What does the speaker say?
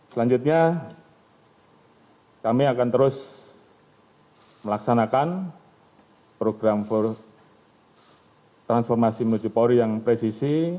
selanjutnya kami akan terus melaksanakan program transformasi multipori yang presisi